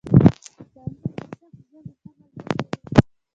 ترموز د سخت ژمي ښه ملګری دی.